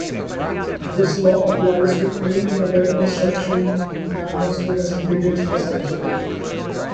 This law also applies to any other instruction manuals possessing details on the subject.